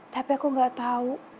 tapi aku gak tau